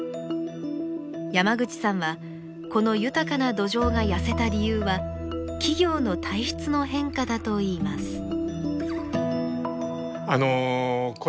山口さんはこの豊かな土壌が痩せた理由は企業の体質の変化だといいます。